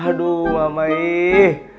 aduh mama ih